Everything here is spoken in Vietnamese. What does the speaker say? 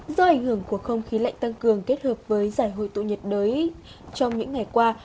do ảnh hưởng của không khí lạnh tăng cường kết hợp với giải hội tụ nhiệt đới trong những ngày qua